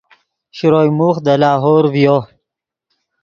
شروئے موخ دے لاہور ڤیو